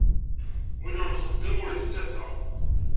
Win ur nxeddem ur itett ata!